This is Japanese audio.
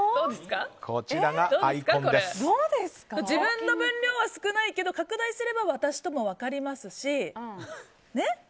自分の分量は少ないけど拡大すれば私とも分かりますし。